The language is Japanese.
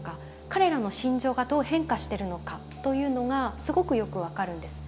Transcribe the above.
彼らの心情がどう変化してるのかというのがすごくよく分かるんですね。